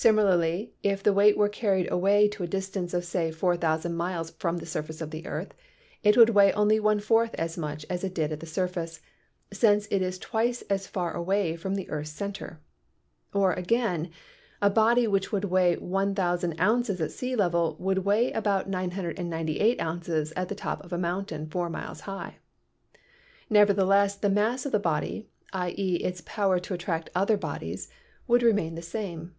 Similarly if the weight were carried away to a distance of say 4,000 miles from the surface of the earth, it would weigh only one fourth as much as it did at the surface, since it is twice as far away from the earth's center. Or again, a body which would weigh 1,000 ounces at sea level would weigh about 998 ounces at the top of a mountain four miles high. Nevertheless the mass of the body — i.e., its power to attract other bodies — would remain the same.